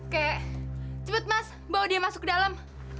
keh cepat mas bawa dia masuk ke dalam